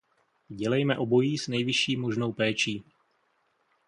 Dělejme obojí s nejvyšší možnou péčí.